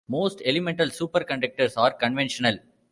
Most elemental superconductors are conventional.